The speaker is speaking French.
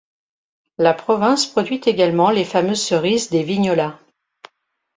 La province produit également les fameuses cerise des Vignola.